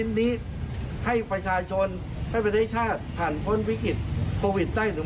นี้ให้ประชาชนให้ประเทศชาติผ่านพ้นวิกฤตโควิดได้หรือ